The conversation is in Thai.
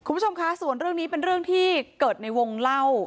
คุณผู้ชมคะส่วนเรื่องนี้เป็นเรื่องที่เกิดในวงเล่า